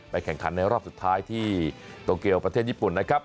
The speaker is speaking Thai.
แข่งขันในรอบสุดท้ายที่โตเกียวประเทศญี่ปุ่นนะครับ